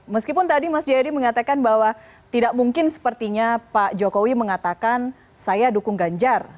meskipun tadi mas jayadi mengatakan bahwa tidak mungkin sepertinya pak jokowi mengatakan saya dukung ganjar